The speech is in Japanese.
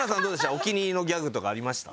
お気に入りのギャグとかありました？